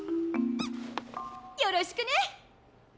よろしくね！